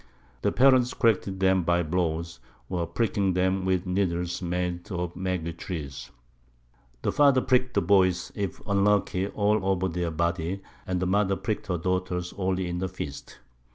The Parents corrected them by Blows, or pricking them with Needles made of the Maguey Tree: The Father prick'd the Boys, if unlucky, all over their Body, and the Mother prick'd her Daughters only in the Fists.